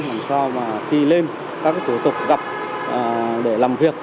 làm sao mà khi lên các thủ tục gặp để làm việc